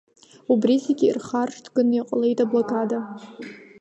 Убри зегьы ирхаршҭганы иҟалеит аблокада.